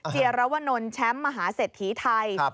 เจียราวนนท์แชมป์มหาเสร็จถีไทย